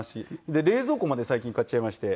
で冷蔵庫まで最近買っちゃいまして。